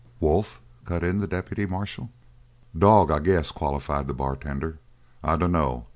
"Wolf?" cut in the deputy marshal. "Dog, I guess," qualified the bartender. "I dunno.